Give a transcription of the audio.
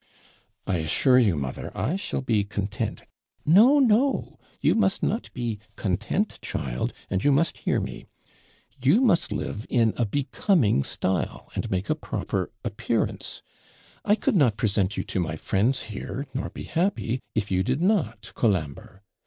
'I assure you, mother, I shall be content ' 'No, no; you must not be content, child, and you must hear me. You must live in a becoming style, and make a proper appearance. I could not present you to my friends here, nor be happy, if you did not, Colambre.